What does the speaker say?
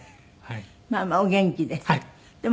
まあまあお元気で。